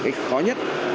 cái khó nhất